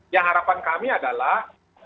yang harapan kami adalah